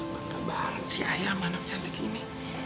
pintar banget si ayah sama anak cantik ini